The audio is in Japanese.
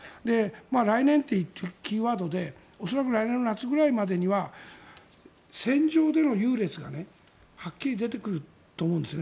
来年というのはキーワードで遅くとも来年の夏までには戦場での優劣がはっきり出てくると思うんですね。